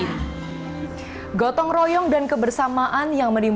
nah ini adalah pembahasan dari ketua pertama kepala pertama kepala pertama